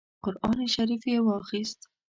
قران شریف یې واخیست.